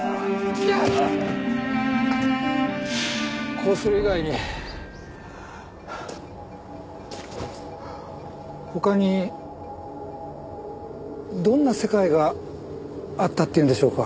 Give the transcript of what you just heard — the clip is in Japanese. こうする以外に他にどんな世界があったっていうんでしょうか？